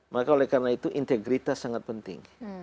maka oleh karena itu integritas sangat penting